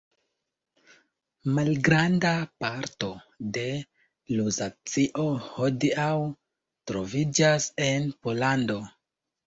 Malgranda parto de Luzacio hodiaŭ troviĝas en Pollando.